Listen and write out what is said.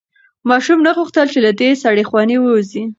ماشوم نه غوښتل چې له دغې سړې خونې ووځي.